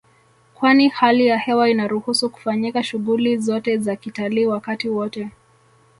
Kwani hali ya hewa inaruhusu kufanyika shughuli zote za kitalii wakati wote